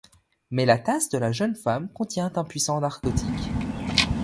Mais la tasse de la jeune femme contient un puissant narcotique.